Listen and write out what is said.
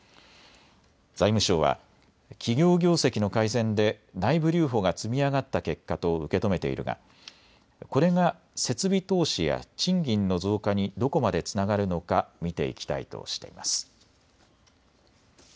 財務省は、企業業績の改善で内部留保が積み上がった結果と受け止めているがこれが設備投資や賃金の増加にどこまでつながるのか見ていきたいとしています。